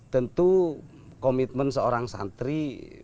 tentu komitmen seorang santri